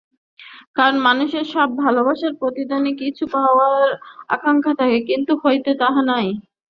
কারণ মানুষের সব ভালবাসায় প্রতিদানে কিছু পাইবার আকাঙ্ক্ষা থাকে, কিন্তু ইহাতে তাহা নাই।